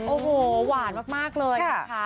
โอ้โหหวานมากเลยนะคะ